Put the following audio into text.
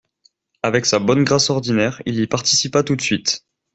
Avec sa bonne grâce ordinaire, il y participa tout de suite.